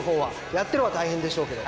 やってるほうは大変でしょうけど。